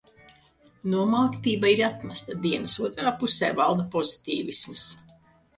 Nomāktība ir atmesta. Dienas otrā pusē valda pozitīvisms.